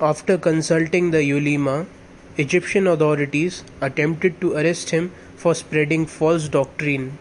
After consulting the Ulema, Egyptian authorities attempted to arrest him for spreading false doctrine.